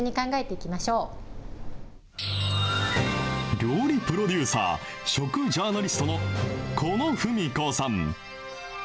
料理プロデューサー、食ジャーナリストの狐野扶実子さん。